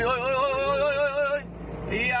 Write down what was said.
โอ้ยยยยยพี่อะ